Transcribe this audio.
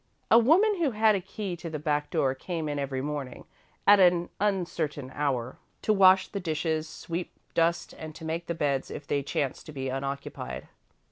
A woman who had a key to the back door came in every morning, at an uncertain hour, to wash the dishes, sweep, dust, and to make the beds if they chanced to be unoccupied.